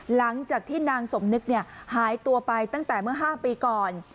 หลังจากที่นางสมนึกหายตัวไปตั้งแต่เมื่อ๕ปีก่อน